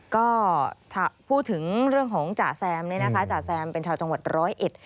ก็พูดถึงเรื่องของจ่าแซมเนี่ยนะคะจ่าแซมเป็นชาวจังหวัดร้อยเอ็ด